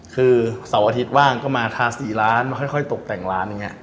คือเสาร์อาทิตย์ว้างก็มาทาสีร้านค่อยตกแต่งร้าน